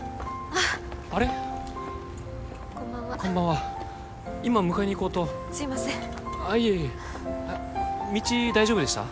あっいえいえ道大丈夫でした？